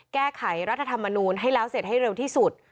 แก้ไขรัฐธรรมนูลให้แล้วเสร็จให้เร็วที่สุด